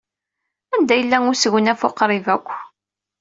Anda yella usegnaf uqrib akk?